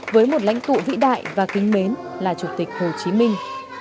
với một lãnh tụ vĩ đại và kính mến là chủ tịch hồ chí minh